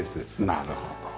なるほど。